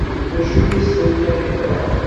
D acu i as-tenniḍ i Tom?